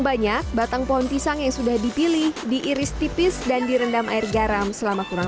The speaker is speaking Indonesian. banyak batang pohon pisang yang sudah dipilih diiris tipis dan direndam air garam selama kurang